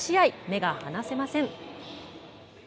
目が離せません。